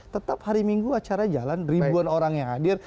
tetap hari minggu acara jalan ribuan orang yang hadir